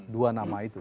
dua nama itu